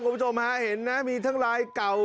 ผู้ชมเห็นนะมีทั้งลายเก่า